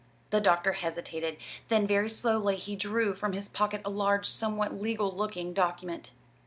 The doctor hesitated. Then very slowly he drew from his pocket a large, somewhat legal looking document.